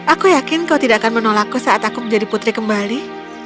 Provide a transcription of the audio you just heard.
aku yakin kau tidak akan menolakku saat aku menjadi putri kembali